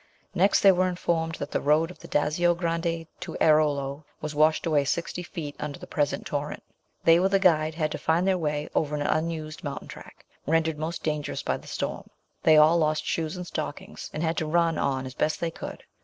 Next they were informed that the road of the Dazio Grande to Airolo was washed away sixty feet under the present torrent. They, with a guide, had to find their way over an unused mountain track, rendered most dangerous by the storm. They all lost shoes and stockings, and had to run on as best they could.